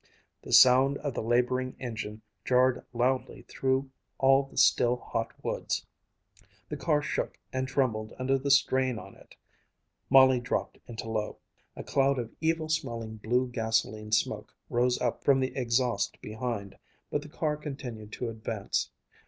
The sound of the laboring engine jarred loudly through all the still, hot woods; the car shook and trembled under the strain on it. Molly dropped into low. A cloud of evil smelling blue gasoline smoke rose up from the exhaust behind, but the car continued to advance.